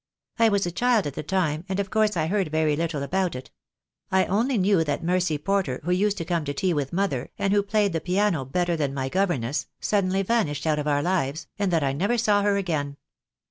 "I was a child at the time, and of course I heard very little about it. I only knew that Mercy Porter who used to come to tea with mother, and who played the piano better than my governess, suddenly vanished out of our lives, and that T never saw her again.